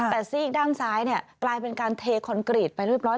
แต่ซีกด้านซ้ายกลายเป็นการเทคอนกรีตไปเรียบร้อย